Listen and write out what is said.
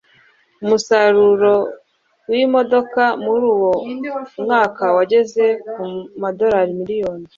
Umusaruro wimodoka muri uwo mwaka wageze ku modoka miliyoni